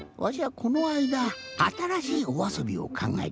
このあいだあたらしいおあそびをかんがえたんじゃ。